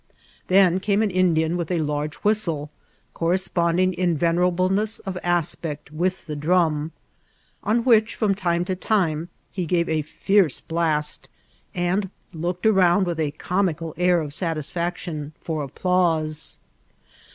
Then came an Indian with a large whistle, corresponding in venerableness of Bspeai with the drum, on which, from time to time, he gave a fieroe blast, and looked around with a comioal air of satis&o tion for applause.